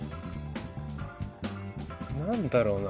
何だろうな。